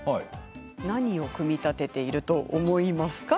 何を組み立てていると思いますか？